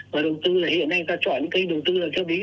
và đầu tư hiện nay ta chọn những cây đầu tư cho đến